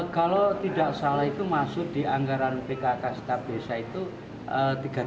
kalau tidak salah itu masuk di anggaran pkk setiap desa itu